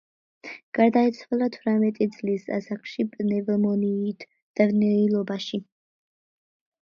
გარდაიცვალა თვრამეტი წლის ასაკში პნევმონიით, დევნილობაში.